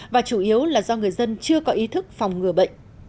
và chủ yếu là do người dân chưa có ý thức phòng ngừa bệnh